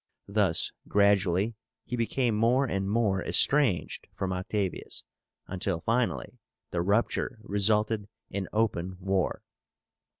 Thus gradually he became more and more estranged from Octavius, until finally the rupture resulted in open war.